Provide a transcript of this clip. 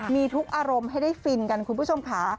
มีทุกอารมณ์ให้ได้ฟินกันคุณผู้ชมค่ะ